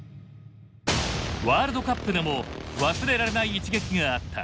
ワールドカップでも忘れられない一撃があった。